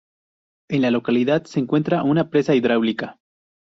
En la localidad se encuentra una presa hidráulica.